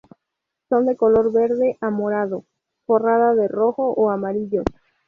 Son de color verde a morado forrada de rojo o amarillo.